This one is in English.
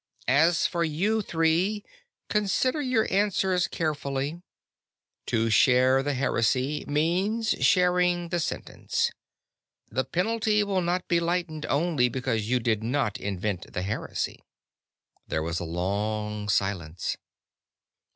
"As for you three, consider your answers carefully. To share the heresy means sharing the sentence. The penalty will not be lightened only because you did not invent the heresy." There was a long silence.